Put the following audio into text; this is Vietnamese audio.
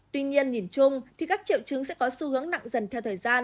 tuy nhiên nhìn chung thì các triệu chứng sẽ có xu hướng nặng dần theo thời gian